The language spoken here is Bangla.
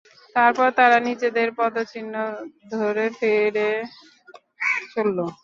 তারপর তারা নিজেদের পদচিহ্ন ধরে ফিরে চলল।